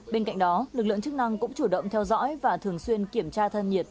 bên cạnh đó lực lượng chức năng cũng chủ động theo dõi và thường xuyên kiểm tra thân nhiệt